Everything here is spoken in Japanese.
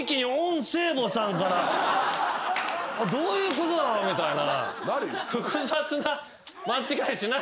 どういうことだろう？みたいな。